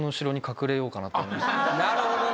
なるほどね。